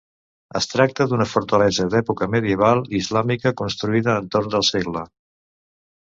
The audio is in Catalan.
Es tracta d'una fortalesa d'època medieval islàmica construïda entorn del segle.